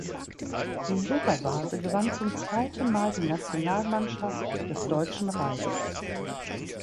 Die Silbervase gewann zum zweiten Mal die Nationalmannschaft des Deutschen Reichs.